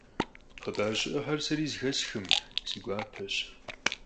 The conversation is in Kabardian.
Хъыбар щыӀэхэр сэри зэхэсхым, си гуапэщ.